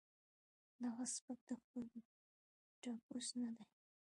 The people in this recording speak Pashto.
دغه سپک د خپل تپوس نۀ دي